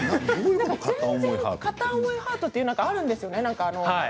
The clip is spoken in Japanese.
全然、片思いハートってあるんですよね。